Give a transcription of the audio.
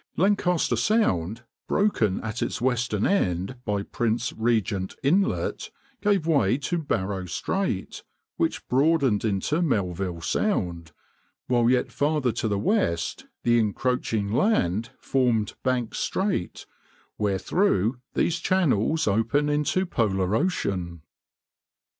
Lancaster Sound, broken at its western end by Prince Regent Inlet, gave way to Barrow Strait, which broadened into Melville Sound, while yet farther to the west the encroaching land formed Banks Strait wherethrough these channels open into polar ocean.